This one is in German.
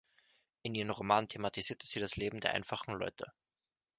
In ihren Romanen thematisierte sie das Leben der einfachen Leute.